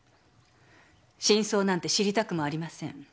真相なんて知りたくもありません。